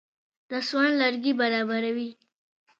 د سون لرګي برابروي.